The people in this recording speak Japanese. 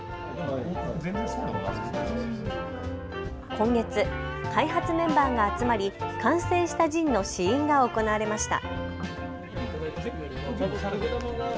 今月、開発メンバーが集まり完成したジンの試飲が行われました。